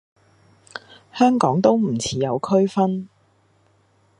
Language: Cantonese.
香港都唔似有區分